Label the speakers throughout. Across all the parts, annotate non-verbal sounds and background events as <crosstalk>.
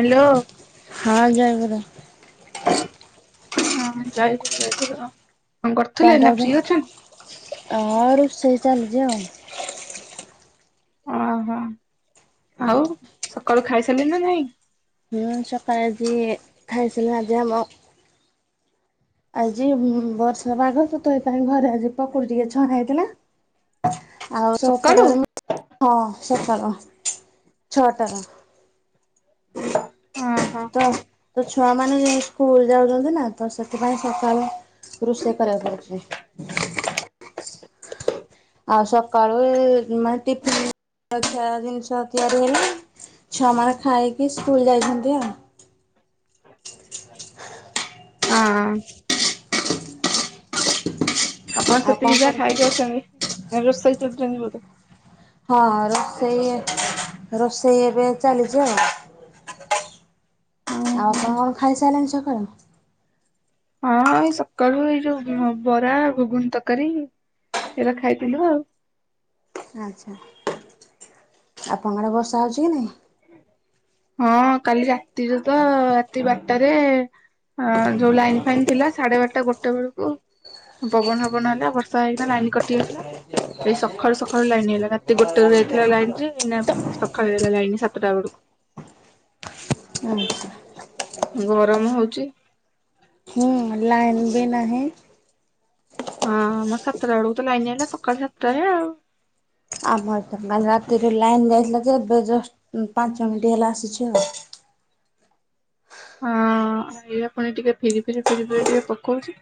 Speaker 1: Hello.
Speaker 2: ହଁ ଜୟଗୁରୁ।
Speaker 1: ହଁ ଜୟଗୁରୁ ଜୟଗୁରୁ। କରୁଥିଲେ
Speaker 2: କଣ
Speaker 1: ନା ଫ୍ରି
Speaker 2: କରୁଚ?
Speaker 1: ଅଛନ୍ତି?
Speaker 2: ଆ ରୋଷେଇ ଚାଲିଚି ଆଉ।
Speaker 1: ଓହୋ। ଆଉ ସକାଳୁ ଖାଇ ସାରିଲେଣି ନା ନାଇଁ?
Speaker 2: ହୁଁ ସକାଳେ ଆଜି ଖାଇଥିଲି ଆଜି ଆମ
Speaker 1: <inaudible>
Speaker 2: ଆଜି ବର୍ଷା ପାଗ ତ। ତୋ ପାଇଁ ଘରେ ଆଜି ପକୁଡି ଟିକେ ଛଣା ହେଇଥିଲା। ଆଉ ତୋ
Speaker 1: ସକାଳୁ
Speaker 2: ଓପର ଘର ହଁ ସକାଳ ଛଅ ଟାର।
Speaker 1: ହଁ।
Speaker 2: ତ ତୋ ଛୁଆ ମାନେ ସ୍କୁଲ ଯାଉଚନ୍ତି ନା। ତ ସେଥିପାଇଁ ସକାଳୁ ରୋଷେଇ କରିବାକୁ ପଡ଼ୁଛି। ଆଉ ସକାଳୁ ଏମେ ଟିଫିନ <unintelligible> ଜିନିଷ ତିଆରି ହେଲା। ଛୁମା ମାନେ ଖାଇକି ସ୍କୁଲ ଯାଇଛନ୍ତି ଆଉ।
Speaker 1: ଆଁ କଣ ସେ
Speaker 2: ଆଉ
Speaker 1: ପ୍ରିଜା
Speaker 2: କର
Speaker 1: ଖାଇକି ଅଛନ୍ତି। ଏ ରୋଷେଇ ଚଲୁଚନ୍ତି ବୋଧେ।
Speaker 2: ହଁ ରୋଷେଇ ରୋଷେଇ ଏବେ ଚାଲିଚି ଆଉ। ଆଉ
Speaker 1: ଓହୋ।
Speaker 2: କଣ କଣ ଖାଇ ସାରିଲେଣି ସକାଳୁ?
Speaker 1: ହଁ ଏଇ ସକାଳୁ ଏଇ ଯୋଉ ବରା ଘୁଗୁନି ତରକାରୀ ଏଟା ଖାଇଥିଲୁ ଆଉ।
Speaker 2: ଆଚ୍ଛା ଆପଣଙ୍କ ଆଡ଼େ ବର୍ଷା ହେଉଚି କି ନାହିଁ।
Speaker 1: ହଁ କାଲି ରାତିରେ ତ ରାତି ବାରଟାରେ। ହଁ ଯୋଉ ଲାଇନ୍ ଫାଇନ୍ ଥିଲା ସାଢେ ବାରଟା ଗୋଟେ ବେଳୁକୁ। ପବନ ହବନ ହେଲା ଆ ବର୍ଷା ହେଇଗଥିଲା ଲାଇନ କଟି ଯାଇଥିଲା। ଏଇ ସକାଳୁ ସକାଳୁ ଲାଇନ ଆଇଲା ରାତି ଗୋଟେ ରୁ ଯାଇଥିଲା ଲାଇନ ଯେ ଏଇନା ସକାଳ ହେ ଲାଇନ ସା ତ ଟା
Speaker 2: ଆଚ୍ଛା।
Speaker 1: ବେଳୁ ଗରମ ହଉଚି।
Speaker 2: ହ ଲାଇନ ବି ନାହିଁ।
Speaker 1: ହଁ ମ ସାତଟା ବେଳକୁ ତ ଲାଇନ ଆଇଲା ସକାଳ ସାତଟାରେ ଆଉ।
Speaker 2: ଆମର ତ କାଲି ରାତିରେ ଲାଇନ୍ ଯାଇଥିଲା ଯେ ଏବେ ଜଷ୍ଟ ପାଞ୍ଚ ମିନିଟ୍ ହେଲା ଆସିଛି ଆଉ।
Speaker 1: ହଁ ଏଇବା ଫୁଣି ଟିକେ ଫିରି ଫିରି ଫିରି ଫିରି ଟିକେ ପକଉଛି।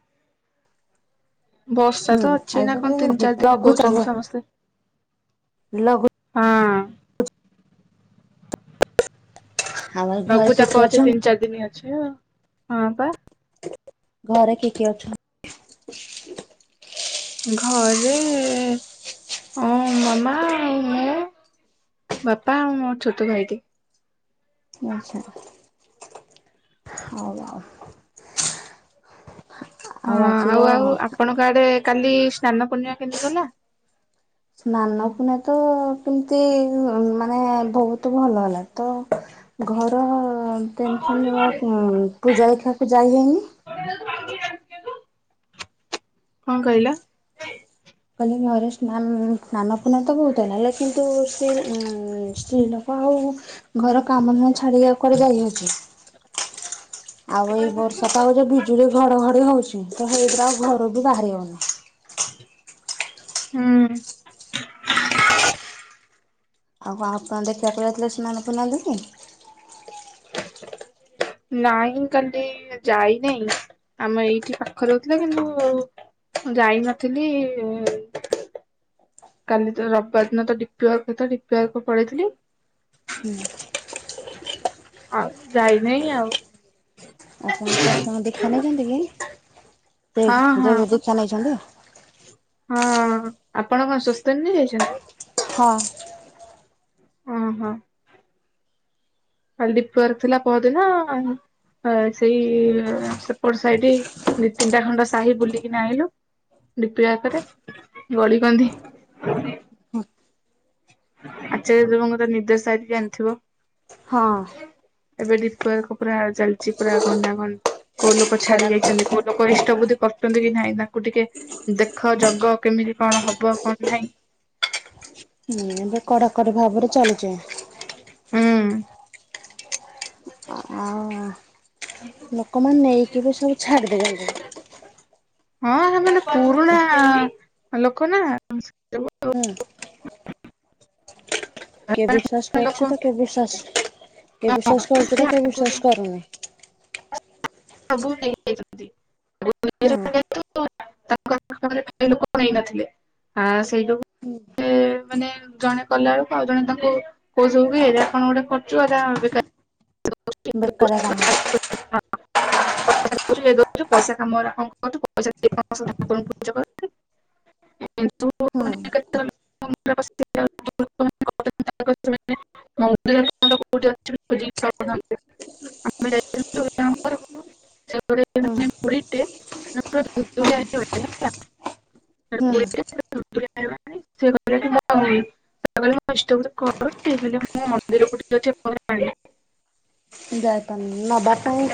Speaker 1: ବର୍ଷା
Speaker 2: ହୁଁ
Speaker 1: ତ ଅଛି
Speaker 2: ଆଉ
Speaker 1: ନା
Speaker 2: ସେଟା
Speaker 1: କଣ ତିନି
Speaker 2: ଲଘୁ
Speaker 1: ଚାରି ଦିନ
Speaker 2: ଲଘୁଚାପ
Speaker 1: କହୁଛନ୍ତି ସମସ୍ତେ।
Speaker 2: ଲଘୁ
Speaker 1: ହଁ।
Speaker 2: ଆମ ଘରେ
Speaker 1: ଲଘୁ
Speaker 2: କିଏ
Speaker 1: ଚାପ
Speaker 2: କିଏ
Speaker 1: ଅଛି
Speaker 2: ଅଛନ୍ତି?
Speaker 1: ତିନି ଚାରି ଦିନି ଅଛି ହଁ ପା।
Speaker 2: ଘରେ କି କିଏ ଅଛନ୍ତି।
Speaker 1: ଘରେ ଅ ମାମା ଆଉ ମୁଁ। ବାପା ଆଉ ମୋ ଛୋଟ ଭାଇଟେ।
Speaker 2: ଆଛା ହଉ ଆଉ।
Speaker 1: ହଁ
Speaker 2: ଆଉ ଆଜିର
Speaker 1: ଆଉ ଆପଣଙ୍କ ଆଡେ କାଲି ସ୍ନାନ ପୂର୍ଣିମା କେମିତି ଗଲା।
Speaker 2: ସ୍ନାନ ପୁନେଇ ତ କେମିତି ମାନେ ବହୁତ ଭଲ ହେଲା। ତ ଘର ଟେନସନ ନେବା ଆଉ ପୂଜା ଦେଖିବାକୁ ଯାଇ ହେଇନି।
Speaker 1: <inaudible> କଣ କହିଲ।
Speaker 2: କଲି ନ ରେ ସ୍ନାନ ପୁର୍ଣ୍ଣିମା ତ ବହୁତ ହେଲା ହେଲେ କିନ୍ତୁ ସେ ସ୍ତ୍ରୀ ଲୋକ ଆଉ ଘର କାମ ଧାଁ ଛାଡି ଆଉ କୁ ଆଡ଼େ ଯାଇହଉଛି।
Speaker 1: ଠିକ।
Speaker 2: ଆଉ ଏଇ ବର୍ଷାଟା ଆଉ ଯଉ ବିଜୁଳି ଘଡଘଡି ହଉଛି ତ ହେଇଥିରେ ଆଉ ଘର ବି ବାହାରି ହଉନି।
Speaker 1: ହୁଁ।
Speaker 2: ଆଉ କ ଆପଣ ଦେଖିବାକୁ ଯଥିଲେ ସ୍ନାନ ପୂର୍ଣ୍ଣିମା ଦେଖି।
Speaker 1: ନାଇଁ କାଲି ଯାଇନେଇ ଆମ ଏଇଠି ପାଖରେହୁଥିଲା କିନ୍ତୁ ମୁଁ ଯାଇନଥିଲି। କାଲି ତ ରବିବାର ଦିନ ତ ଡିପି ୱାର୍କଥିଲା ଡିପି ୱାର୍କ ପଳେଇଥିଲି।
Speaker 2: ହୁଁ।
Speaker 1: ଆଉ ଯାଇ ନେଇ ଆଉ।
Speaker 2: ଆପଣ ଶାଶୁ ଦୀଖ୍ୟା ନେଇଛନ୍ତି କି ସେ
Speaker 1: ହଁ
Speaker 2: ଜୋ
Speaker 1: ହଁ
Speaker 2: ଦୀଖ୍ୟା ନେଇଛନ୍ତି।
Speaker 1: ହଁ ଆପଣ କଣ ସୁସ୍ଥ ନେଇ ଯାଇଛନ୍ତି।
Speaker 2: ହଁ।
Speaker 1: ହଁ ହଁ। କାଲି ଡିପୀ ୱର୍କ ଥିଲା ପହଦିନ ହ ସେଇ ସେପଟ ସାଇଟ୍‌ ତିନିଟା ଖଣ୍ଡ ସାହି ବୁଲିକିନା ଆଇଲୁ। ଡୀପି ଆକରେ ଗଳି କନ୍ଧି। ଆଚାରଯ୍ୟ ଦେବଙ୍କ ର ନିର୍ଦେଶ ସାରିକି ଆଣିଥିବ।
Speaker 2: ହଁ।
Speaker 1: ଏବେ ଡ଼ିପି ୱର୍କ ପୁରା ଚାଲିଛି ପୁରା ଘଣ୍ଟା ଘଣ୍ କୋଉ ଲୋକ ଛାଡି
Speaker 2: କଡାକ
Speaker 1: ଯାଇଛନ୍ତି କୋଉ ଲୋକ ଇଷ୍ଟ ବୁଦ୍ଧି କରୁଛନ୍ତି କି ନାହିଁ ତାକୁ ଟିକେ ଦେଖ ଜଗ କେମିତି କଣ ହବ କଣ ନାହିଁ।
Speaker 2: ହୁଁ ଏବେ କଡ଼ାକଡ଼ି ଭାବରେ ଚାଲିଛେ।
Speaker 1: ହୁଁ।
Speaker 2: ଆଉ ଲୋକମାନେ ନେଇକି ବି ସବୁ ଛାଡି <unintelligible>
Speaker 1: ହଁ ସେମାନେ ପୁରୁଣା ଲୋକ ନା। <inaudible>
Speaker 2: ହୁଁ। କିଏ ବିଶ୍ୱସ
Speaker 1: ଲୋକ
Speaker 2: କରୁଚି ତ କିଏ ବିଶ୍ୱାସ କିଏ ବିଶ୍ୱସ କରୁଚି ତ କିଏ
Speaker 1: ଆଗରୁ
Speaker 2: ବିଶ୍ୱସ କରୁନି। ହଁ
Speaker 1: <unintelligible> <unintelligible> ମାନେ ଜଣେ କଲା ବେଳକୁ ଆଉ ଜଣେ ତାଙ୍କୁ କୋଉ ସବୁ ଏରା କଣ ଗୋଟେ କରଚୁ ଏରା ବେକା
Speaker 2: ବେକାରିଆ କାମ।
Speaker 1: ପଇସା ରଖୁଚୁ ଇଏ କରଚୁ ପଇସା କାମ ଉରା କଣ କରୁଚୁ। <unintelligible> ପଇସା ଠାକୁରଙ୍କୁ ପୂଜା କରୁଚୁ।
Speaker 2: ହଁ।
Speaker 1: କେତେବେଳେ ମୁଣ୍ଡରେ ପଶିକି <unintelligible> ଆମେ ଯାଇଥିଲୁ
Speaker 2: ହୁଁ
Speaker 1: <unintelligible>
Speaker 2: ହୁଁ।
Speaker 1: <unintelligible> <unintelligible> ଇଷ୍ଟ ବୁତି କରୁଚି ସେଇଥିପାଇଁ ମୁଁ ମନ୍ଦିରକୁ ଟିକେ ଏ ପର୍ଯ୍ୟନ୍ତ ଯାଇନି।
Speaker 2: ଯାଇପାରୁନି ନବା
Speaker 1: ହଁ।
Speaker 2: ପାଇଁ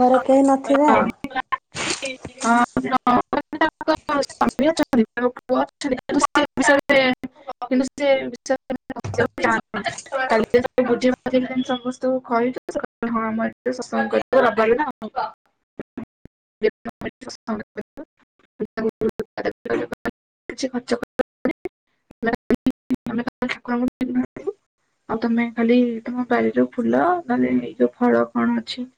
Speaker 2: ଘରେ କେହି ନଥିବେ ଆଉ।
Speaker 1: <unintelligible> <unintelligible> ହଁ କିନ୍ତୁ ସେ <unintelligible> ସମସ୍ତଙ୍କୁ କହି ଦ ସ ହଁ ଆମ ଏ ଶସଙ୍କ କରିବେ ରବିବାରେ ନା <unintelligible> <unintelligible> କିଛି ଖର୍ଚ୍ଚ <unintelligible> ଆଉ ତମେ ଖାଲି ତମ ବାରିରୁ ଫୁଲ ନହେଲେ ଏଇ ଯୋଉ ଫଳ କଣ ଅଛି।